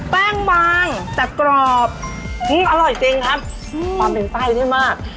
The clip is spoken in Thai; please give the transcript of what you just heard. แป้งวางแต่กรอบอื้ออร่อยจริงครับคือมาก